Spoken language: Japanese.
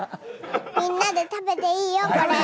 みんなで食べていいよこれ。